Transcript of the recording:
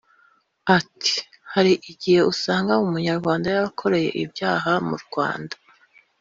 Ati “Hari igihe usanga umunyarwanda yarakoreye ibyaha mu Rwanda